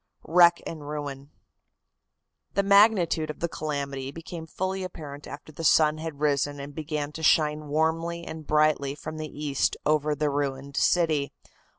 WRECK AND RUIN. The magnitude of the calamity became fully apparent after the sun had risen and began to shine warmly and brightly from the east over the ruined city.